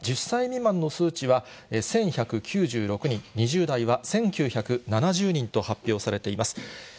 １０歳未満の数値は１１９６人、２０代は１９７０人と発表されています。